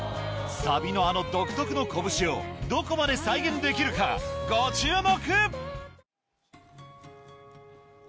サビのあの独特のコブシをどこまで再現できるかご注目